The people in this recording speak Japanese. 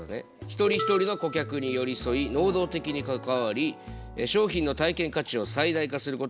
一人一人の顧客に寄り添い能動的に関わり商品の体験価値を最大化することを目指すという考え方。